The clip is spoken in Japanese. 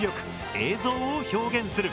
映像を表現する。